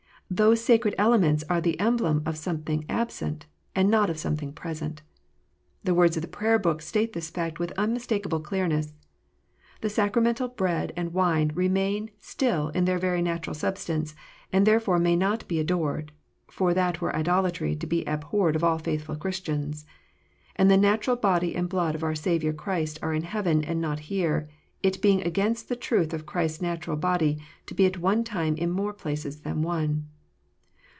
Those sacred elements are the emblem of something absent, and not of something present. The words of the Prayer book state this fact with unmistakable clearness :" The sacramental bread and wine remain still in their very natural substance, and there fore may not be adored (for that were idolatry to be abhorred of all faithful Christians) ; and the natural body and blood of our Saviour Christ are in heaven and not here, it being against the truth of Christ s natural body to be at one time in more places than one."